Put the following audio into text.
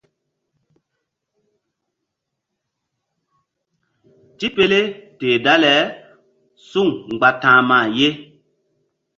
Tipele teh dale suŋ mgba ta̧hma ye.